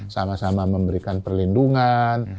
sama sama memberikan perlindungan